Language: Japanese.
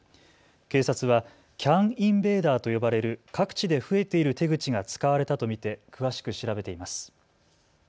警察はＣＡＮインベーダーと呼ばれる各地で増えている手口が使われたと見て詳しく調べています。